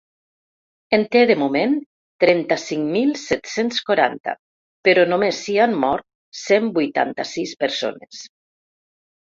En té, de moment, trenta-cinc mil set-cents quaranta, però només s’hi han mort cent vuitanta-sis persones.